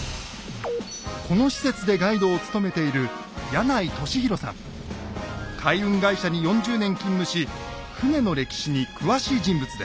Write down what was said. この施設でガイドを務めている海運会社に４０年勤務し船の歴史に詳しい人物です。